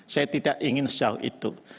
saya tidak ingin sejauh itu